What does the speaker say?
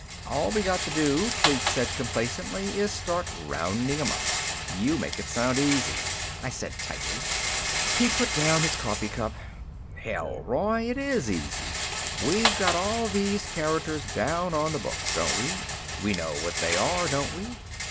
"All we got to do," Kleek said complacently, "is start rounding 'em up." "You make it sound easy," I said tightly. He put down his coffee cup. "Hell, Roy, it is easy! We've got all these characters down on the books, don't we? We know what they are, don't we?